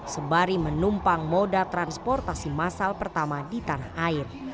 sembari menumpang moda transportasi masal pertama di tanah air